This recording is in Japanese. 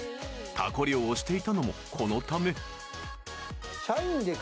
［タコ漁をしていたのもこのため］